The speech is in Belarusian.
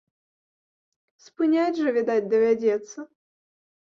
Спыняць жа, відаць, давядзецца.